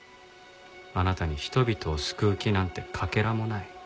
あなたに人々を救う気なんてかけらもない。